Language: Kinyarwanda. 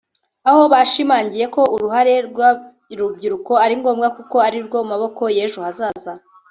aho bashimangiye ko uruhare rw’urubyiruko ari ngombwa kuko arirwo maboko y’ejo hazaza